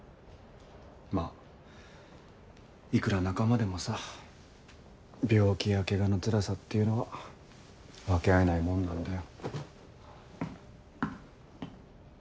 まぁいくら仲間でもさ病気やケガのつらさっていうのは分け合えないもんなんだよ。